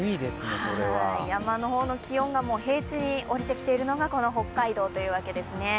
山の方の気温が平地に下りてきているのが北海道というわけですね。